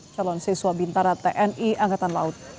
calon siswa bintara tni angkatan laut